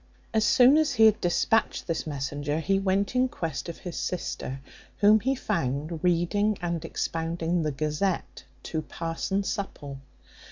As soon as he had dispatched this messenger, he went in quest of his sister, whom he found reading and expounding the Gazette to parson Supple.